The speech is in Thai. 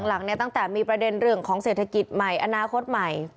หลังเนี่ยตั้งแต่มีประเด็นเรื่องของเศรษฐกิจใหม่อนาคตใหม่